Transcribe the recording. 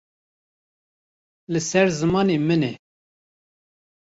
Li ser zimanê min e.